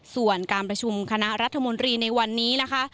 ส่วนการประชุมคณะรัฐมนตรีในวันนี้นะคะ